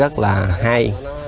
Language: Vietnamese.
rất là hay